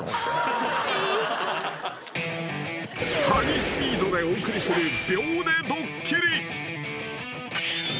［ハイスピードでお送りする］